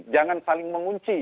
jangan saling mengunci